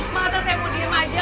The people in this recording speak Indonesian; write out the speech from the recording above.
masa saya mau diem aja